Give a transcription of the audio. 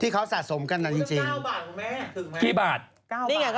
ที่เขาสะสมกันนั้นจริงมีแค่๙บาทแม่ถึงไหม